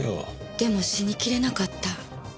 でも死にきれなかった。